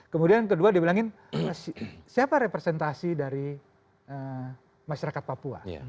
kemudian kedua dibilangin siapa representasi dari masyarakat papua